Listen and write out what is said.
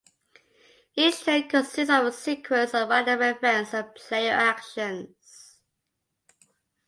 Each turn consists of a sequence of random events and player actions.